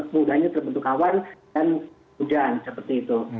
mudahnya terbentuk awan dan hujan seperti itu